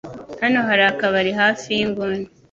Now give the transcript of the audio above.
Hano hari akabari hafi yinguni.